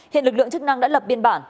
hiện lực lượng chức năng đã lập biên bản